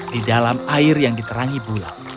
di dalam air yang diterangi bulan